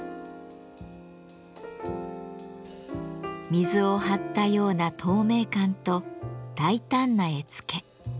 水を張ったような透明感と大胆な絵付け。